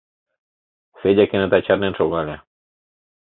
— Федя кенета чарнен шогале.